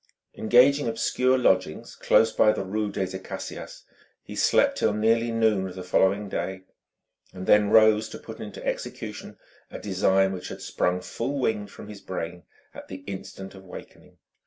Engaging obscure lodgings close by the rue des Acacias, he slept till nearly noon of the following day, then rose to put into execution a design which had sprung full winged from his brain at the instant of wakening.